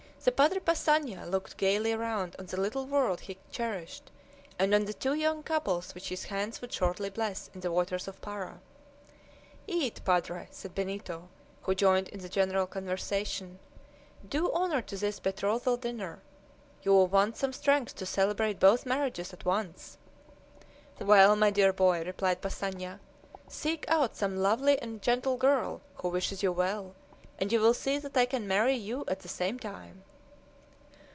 The Padre Passanha looked gayly round on the little world he cherished, and on the two young couples which his hands would shortly bless in the waters of Para. "Eat, padre," said Benito, who joined in the general conversation; "do honor to this betrothal dinner. You will want some strength to celebrate both marriages at once!" "Well, my dear boy," replied Passanha, "seek out some lovely and gentle girl who wishes you well, and you will see that I can marry you at the same time!"